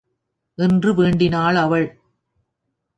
என்று வேண்டினாள் அவள்.